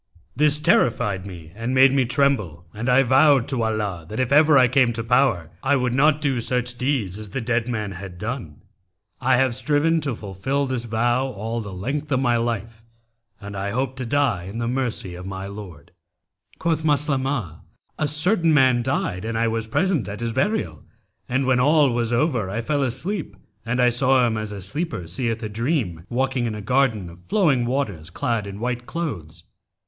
This terrified me and made me tremble, and I vowed to Allah, that if ever I came to power, I would not do such deeds as the dead man had done. I have striven to fulfil this vow all the length of my life and I hope to die in the mercy of my Lord.' Quoth Maslamah, 'A certain man died and I was present at his burial, and when all was over I fell asleep and I saw him as a sleeper seeth a dream, walking in a garden of flowing waters clad in white clothes.